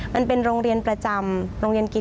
มันเป็นโรงเรียนประจำโรงเรียนกินนอนโรงเรียนประจำ